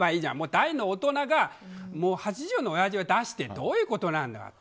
大の大人が８０のおやじが出してどういうことなんだと。